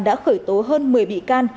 đã khởi tố hơn một mươi bị can